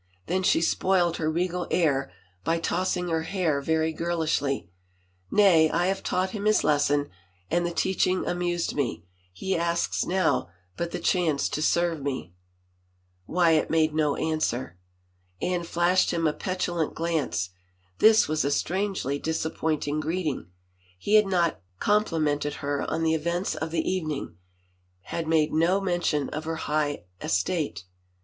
Then she spoiled her regal air by tossing her head very girlishly. " Nay, I have taught him his lesson and the teaching amused me — he asks now but the chance to serve me." Wyatt made no answer. Anne flashed him a petulant glance; this was a strangely disappointing greeting. He had not compli mented her on the events of the evening, had made no mention of her high estate.